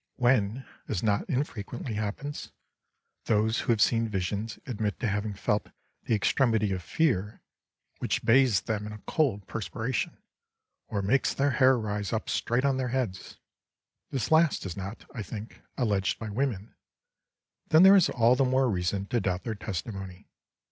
When, as not infrequently happens, those who have seen visions admit to having felt that extremity of fear which bathes them in a cold perspiration, or makes their hair rise up straight on their heads (this last is not, I think, alleged by women), then there is all the more reason to doubt their testimony.